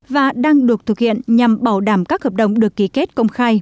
và đang được thực hiện nhằm bảo đảm các hợp đồng được ký kết công khai